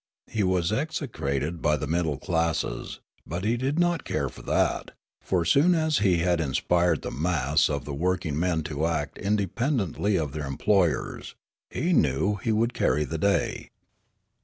He was execrated b} the middle classes ; but he did not care for that ; for, as soon as he had inspired the mass of the workingmen to act in dependently of their employers, he knew he would carry the day.